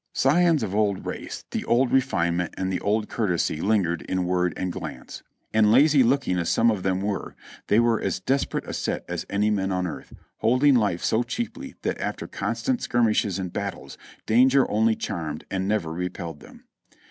Scions of this old race, the old refinement and the old courtesy lingered in word and glance ; and lazy looking as some of them were, they were as desperate a set as any men on earth, holding life so cheaply that after constant skirmishes and combats, dan ger only charmed and never repelled them.